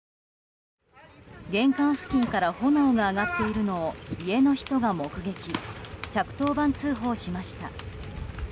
玄関付近から炎が上がっているのを家の人が目撃１１０番通報しました。